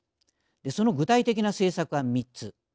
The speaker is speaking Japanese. その具体的な政策は３つ。